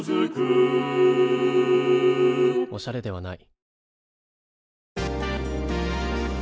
おしゃれではない。